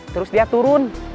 terus dia turun